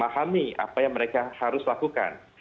mereka memahami apa yang mereka harus lakukan